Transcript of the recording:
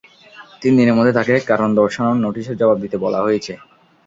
তিন দিনের মধ্যে তাঁকে কারণ দর্শানোর নোটিশের জবাব দিতে বলা হয়েছে।